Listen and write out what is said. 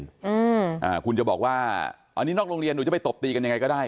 อ่าคุณจะบอกว่าอันนี้นอกโรงเรียนหนูจะไปตบตีกันยังไงก็ได้